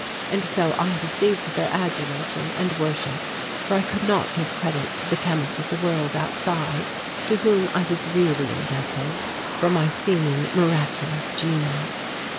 And so I received their adulation and worship, for I could not give credit to the chemists of the world outside to whom I was really indebted for my seeming miraculous genius.